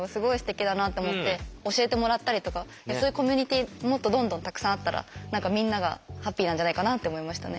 そういうコミュニティーもっとどんどんたくさんあったらみんながハッピーなんじゃないかなって思いましたね。